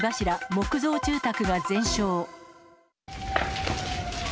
木造住宅が全焼。